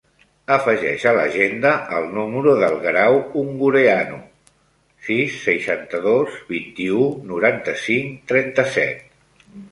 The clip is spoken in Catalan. Afegeix a l'agenda el número del Guerau Ungureanu: sis, seixanta-dos, vint-i-u, noranta-cinc, trenta-set.